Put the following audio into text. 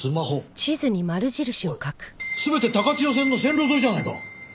おい全て高千代線の線路沿いじゃないか。